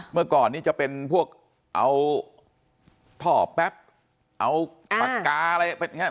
เมื่อก่อนนี้จะเป็นพวกเอาท่อแป๊บเอาปากกาอะไรอย่างนี้